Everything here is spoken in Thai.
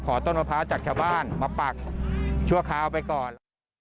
ต้นมะพร้าวจากชาวบ้านมาปักชั่วคราวไปก่อน